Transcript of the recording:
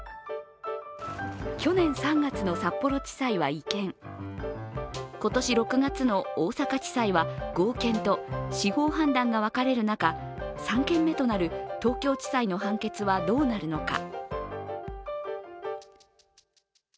去年３月の札幌地裁は違憲今年６月の大阪地裁は合憲と司法判断が分かれる中、３件目となる東京地裁の判決はどうなるのか。